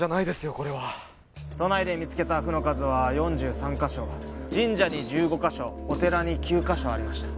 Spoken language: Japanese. これは都内で見つけた「不」の数は４３カ所神社に１５カ所お寺に９カ所ありました